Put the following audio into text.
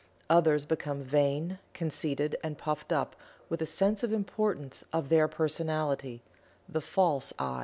Others become vain, conceited and puffed up with a sense of the importance of their Personality (the false "I").